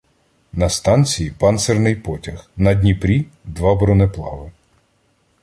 На станції — панцирний потяг, на Дніпрі — два бронеплави.